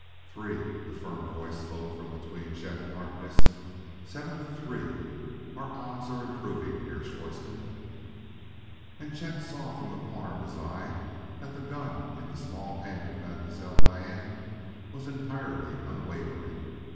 "Three!" a firm voice spoke from between Chet and Harkness; "seven to three! Our odds are improving, Herr Schwartzmann." And Chet saw from the corner of his eye that the gun in the small hand of Mademoiselle Diane was entirely unwavering.